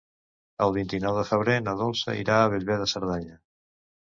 El vint-i-nou de febrer na Dolça irà a Bellver de Cerdanya.